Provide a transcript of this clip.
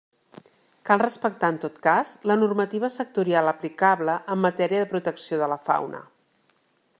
Cal respectar, en tot cas, la normativa sectorial aplicable en matèria de protecció de la fauna.